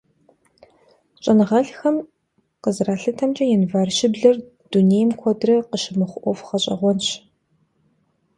ЩӀэныгъэлӀхэм къызэралъытэмкӀэ, январь щыблэр дунейм куэдрэ къыщымыхъу Ӏуэху гъэщӀэгъуэнщ.